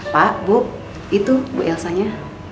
pak bu itu bu elsanya